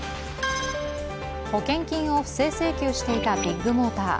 保険金を不正請求していたビッグモーター。